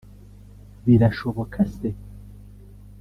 birashoboka se”